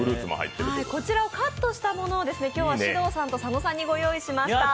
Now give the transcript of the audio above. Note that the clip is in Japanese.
こちらをカットしたものを今日は獅童さんと佐野さんにご用意しました。